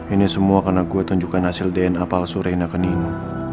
ini semua karena gue tunjukkan hasil dna palsu reina ke nino